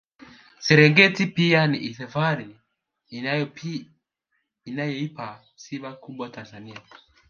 Serengeti pia ni hifadhi inayoipa sifa kubwa Tanzania